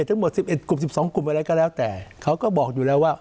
ทั้งหมดสิบเอ็ดกลุ่มสิบสองกลุ่มอะไรก็แล้วแต่เขาก็บอกอยู่แล้วว่า